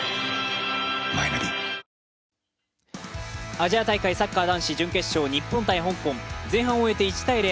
アジア大会サッカー男子準決勝日本×香港、前半を終えて１−０。